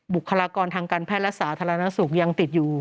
บุคลากรทางการแพทย์และสาธารณสุขยังติดอยู่